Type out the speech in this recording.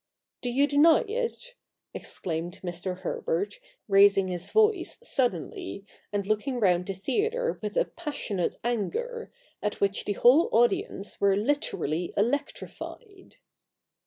' Do you deny it ?' exclaimed Mr. Herbert, raising his voice suddenly and looking round the theatre with a passionate anger, at which the whole audience were literally electrified.